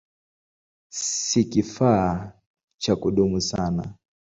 Si kifaa cha kudumu sana.